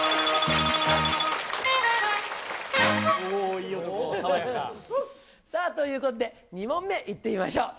いい男、さあ、ということで、２問目いってみましょう。